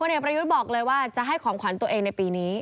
เอกประยุทธ์บอกเลยว่าจะให้ของขวัญตัวเองในปีนี้